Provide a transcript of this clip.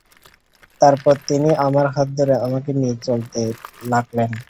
তারপর তিনি আমার হাত ধরে আমাকে নিয়ে চলতে লাগলেন।